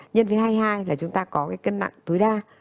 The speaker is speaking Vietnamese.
nhân thứ hai mươi hai là chúng ta có cái cân nặng tối đa